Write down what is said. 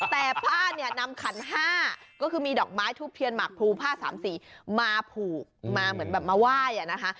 แต่ผ้านำคัน๕ก็คือมีดอกไม้ทูบเทียนหมักภูผ้า๓๔มาผูกมาเหมือนแบบมาไหว้อ่ะนะคะ